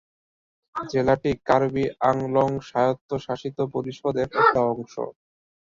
জেলাটি কার্বি আংলং স্বায়ত্বশাসিত পরিষদের একটা অংশ।